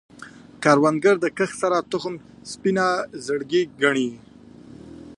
کروندګر د کښت هره تخم سپینه زړګی ګڼي